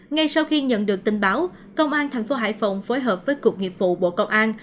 ngay sau khi nhận được tin báo công an thành phố hải phòng phối hợp với cục nghiệp vụ bộ công an